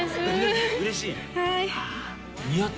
うれしい？